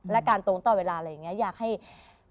และการตรงต่อเวลาอะไรอย่างเงี้ย